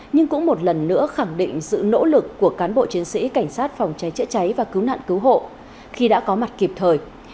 nhưng cũng một lần nữa khẳng định sự nỗ lực của cán bộ chiến sĩ cảnh sát phòng cháy chữa cháy và cứu nạn cứu hộ khi đã có mặt kịp thời